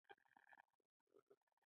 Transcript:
ما خو لور په ډېران نده پيدا کړې.